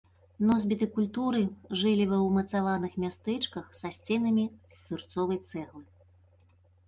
Носьбіты культуры жылі ва ўмацаваных мястэчках са сценамі з сырцовай цэглы.